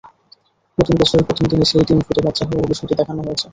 নতুন বছরের প্রথম দিনে সেই ডিম ফুটে বাচ্চা হওয়ার বিষয়টি দেখানো হয়েছে।